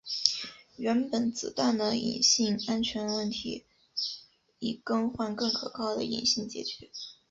原本子弹的引信安全型问题以更换更可靠的引信解决。